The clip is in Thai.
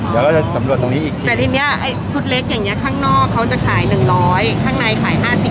เดี๋ยวก็จะตำรวจตรงนี้อีกทีแต่ทีเนี้ยชุดเล็กอย่างเงี้ยข้างนอกเขาจะขายหนึ่งร้อย